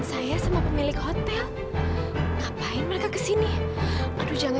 saya juga mau ikut siapa siapa lagi